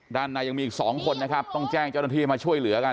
ด้านในยังมีอีกสองคนนะครับต้องแจ้งเจ้าหน้าที่มาช่วยเหลือกัน